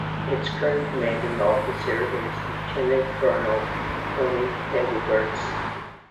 Its current commanding officer is Lieutenant-Colonel Tony Engelberts.